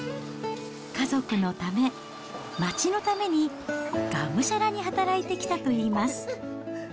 家族のため、町のために、がむしゃらに働いてきたといいます。